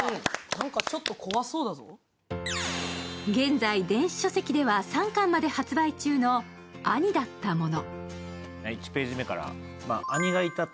現在、電子書籍では３巻まで発売中の「兄だったモノ」。